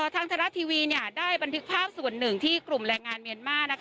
ทางไทยรัฐทีวีได้บันทึกภาพส่วนหนึ่งที่กลุ่มแรงงานเมียนมาร์